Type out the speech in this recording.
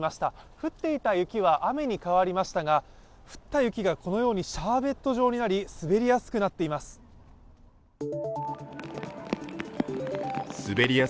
降っていた雪は雨に変わりましたが、降った雪がこのようにシャーベット状になり、滑りやすくなっています。